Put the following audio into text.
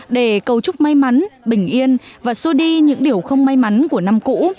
để cầu chúc may mắn bình yên và xô đi những điều không may mắn của năm cũ